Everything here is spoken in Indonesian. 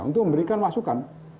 untuk memberikan masukan